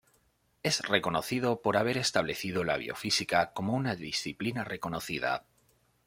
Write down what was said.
Es reconocido por haber establecido la biofísica como una disciplina reconocida.